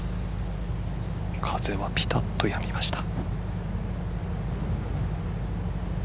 風はぴたっとやみました。